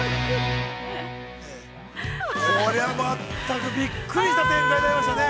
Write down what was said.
◆これは全く、びっくりした展開になりましたね。